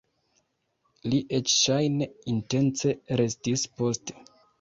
Li eĉ ŝajne intence restis poste!